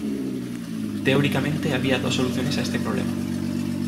Teóricamente había dos soluciones a este problema.